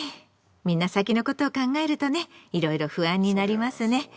みんな先のことを考えるとねいろいろ不安になりますね。